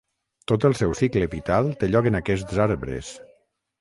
Tot el seu cicle vital té lloc en aquests arbres.